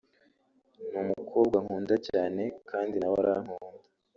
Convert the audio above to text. ni umukobwa nkunda cyane kandi na we arankunda